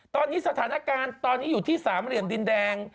ตอนนี้สถานการณ์ตอนนี้อยู่ที่สามเหลี่ยมดินแดง